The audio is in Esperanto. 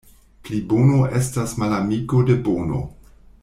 Plibono estas malamiko de bono.